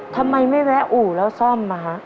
ทำไมไม่แวะอู่แล้วซ่อมมา